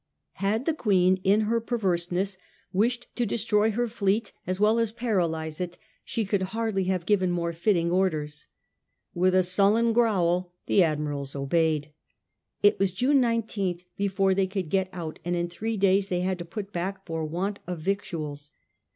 Had the Queen in her perverseness wished to destroy her fleet as well as paralyse it she could hardly have given more fitting orders. With a sullen growl the Admirals obeyed. It was June 19th before they could get out, and in three days they had to put back for want of victuals.